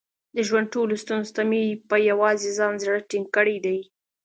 د ژوند ټولو ستونزو ته مې په یووازې ځان زړه ټینګ کړی دی.